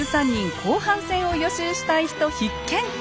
後半戦を予習したい人必見！